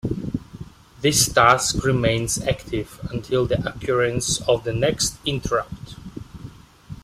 This task remains active until the occurrence of the next interrupt.